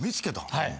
はい。